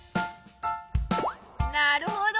なるほど！